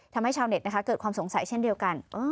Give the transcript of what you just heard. ทำให้ชาวเน็ตเกิดความสงสัยเช่นเดียวกัน